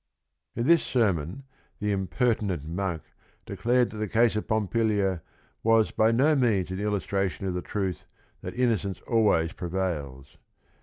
In this sermon the "impertinent" monk de clared that the case of Pompilia was by no means an illustration of the truth that innocence always prevails.